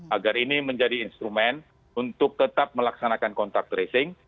agar ini menjadi instrumen untuk tetap melaksanakan kontak tracing